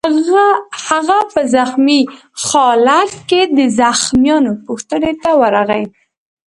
هغه په زخمي خالت کې د زخمیانو پوښتنې ته ورغی